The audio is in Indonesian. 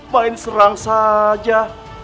main serang saja